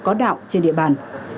có đạo trên địa bàn